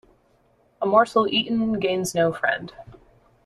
A morsel eaten gains no friend.